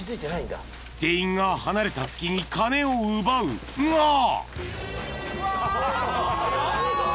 ［店員が離れた隙に金を奪うが！］